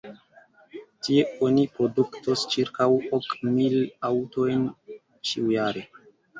Tie oni produktos ĉirkaŭ ok mil aŭtojn ĉiujare.